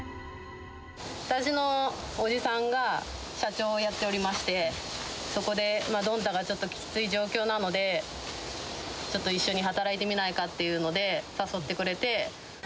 私のおじさんが、社長をやっておりまして、そこで、どんたがちょっときつい状況なので、ちょっと一緒に働いてみないかっていうので、誘ってくれて。